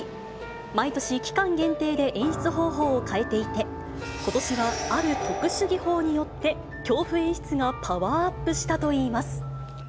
毎年、期間限定で演出方法を変えていて、ことしはある特殊技法によって、恐怖演出がパワーアップしたといいます。